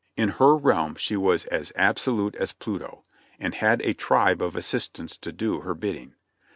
In her realm she was as absolute as Pluto, and had a tribe of assistants to do her bidding.